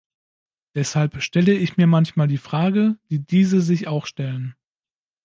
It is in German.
Deshalb stelle ich mir manchmal die Fragen, die diese sich auch stellen.